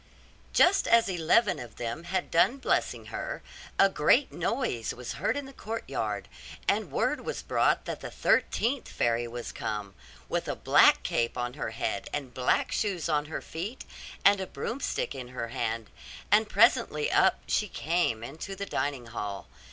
Just as eleven of them had done blessing her, a great noise was heard in the courtyard, and word was brought that the thirteenth fairy was come, with a black cap on her head, and black shoes on her feet, and a broomstick in her hand: and presently up she came into the dining hall.